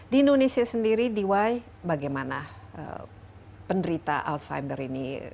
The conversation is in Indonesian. di indonesia sendiri di wai bagaimana penderitaan alzheimer ini